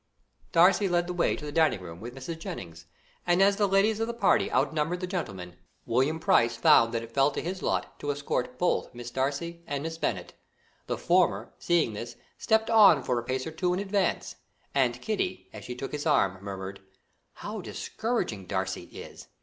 Darcy led the way to the dining room with Mrs. Jennings, and as the ladies of the party out numbered the gentlemen, William Price found that it fell to his lot to escort both Miss Darcy and Miss Bennet. The former, seeing this, stepped on for a pace or two in advance, and Kitty, as she took his arm, murmured: "How discouraging Darcy is!